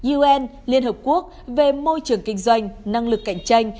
un liên hợp quốc về môi trường kinh doanh năng lực cạnh tranh